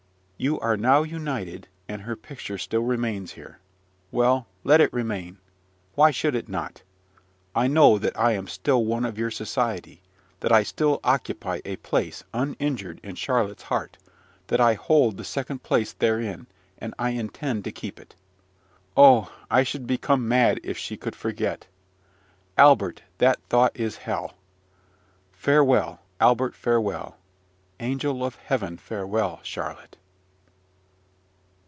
You are now united, and her picture still remains here. Well, let it remain! Why should it not? I know that I am still one of your society, that I still occupy a place uninjured in Charlotte's heart, that I hold the second place therein; and I intend to keep it. Oh, I should become mad if she could forget! Albert, that thought is hell! Farewell, Albert farewell, angel of heaven farewell, Charlotte!